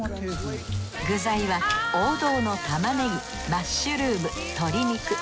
具材は王道の玉ねぎマッシュルーム鶏肉。